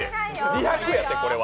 ２００やて、これは！